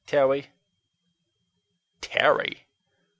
"Tarry." "Tarry?"